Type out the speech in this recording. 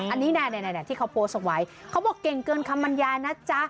อันนี้ที่เขาโพสต์เอาไว้เขาบอกเก่งเกินคำบรรยายนะจ๊ะ